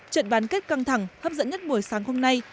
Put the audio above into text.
trận bán kết căng thẳng hấp dẫn nhất buổi sáng hôm nay